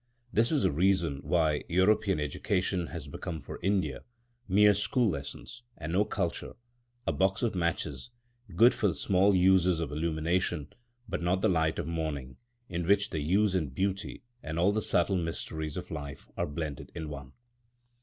This is the reason why European education has become for India mere school lessons and no culture; a box of matches, good for the small uses of illumination, but not the light of morning, in which the use and beauty, and all the subtle mysteries of life are blended in one.